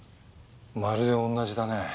まるで同じだね。